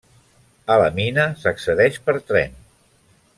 A la mina s'accedeix per tren.